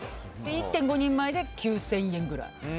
１．５人前で９０００円くらい。